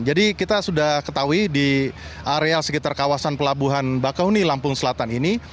jadi kita sudah ketahui di area sekitar kawasan pelabuhan bakauheni lampung selatan ini